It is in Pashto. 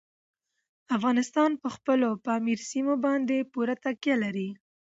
افغانستان په خپلو پامیر سیمو باندې پوره تکیه لري.